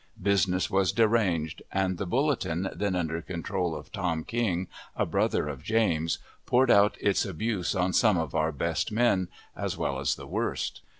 Business was deranged; and the Bulletin, then under control of Tom King, a brother of James, poured out its abuse on some of our best men, as well as the worst.